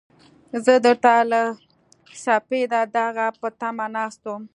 زه درته له سپېده داغه په تمه ناست وم.